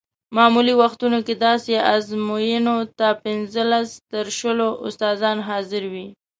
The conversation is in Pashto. معمولي وختونو کې داسې ازموینو ته پنځلس تر شلو استادان حاضر وي.